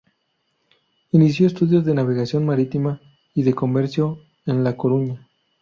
Inició estudios de navegación marítima y de comercio en La Coruña.